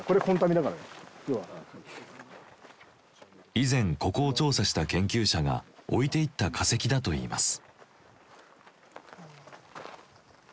以前ここを調査した研究者が置いていった化石だといいます。